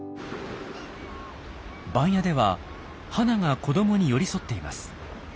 番屋ではハナが子どもに寄り添っています。